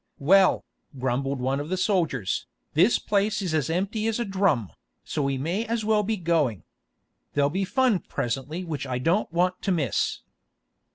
"Well," grumbled one of the soldiers, "this place is as empty as a drum, so we may as well be going. There'll be fun presently which I don't want to miss."